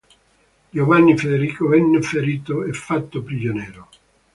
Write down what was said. Giovanni Federico venne ferito e fatto prigioniero.